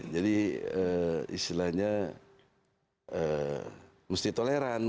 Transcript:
jadi istilahnya mesti toleran